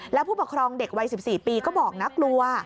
แล้วผู้ปกครองเด็กวัย๑๔ปีก็บอกนะกลัว